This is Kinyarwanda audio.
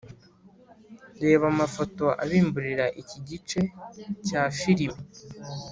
Reba amafoto abimburira iki gice cyafilime